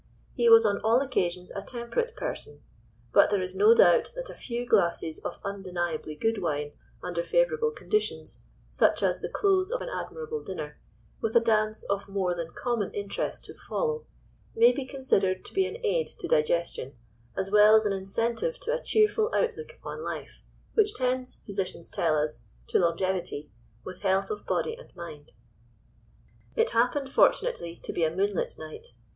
He was on all occasions a temperate person. But there is no doubt that a few glasses of undeniably good wine, under favourable conditions, such as the close of an admirable dinner, with a dance of more than common interest to follow, may be considered to be an aid to digestion, as well as an incentive to a cheerful outlook upon life, which tends, physicians tell us, to longevity, with health of body and mind. It happened, fortunately, to be a moonlight night.